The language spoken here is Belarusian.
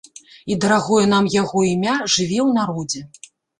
І дарагое нам яго імя жыве ў народзе.